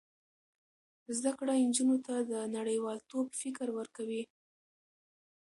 زده کړه نجونو ته د نړیوالتوب فکر ورکوي.